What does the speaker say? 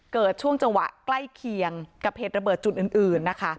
ช่วงจังหวะใกล้เคียงกับเหตุระเบิดจุดอื่นนะคะ